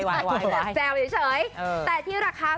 แซวเฉยแต่ที่ราคา